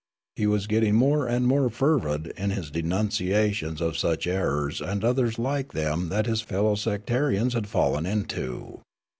He was getting more and more fervid in his denunciations of such errors and others like them that his fellow sect arians had fallen into.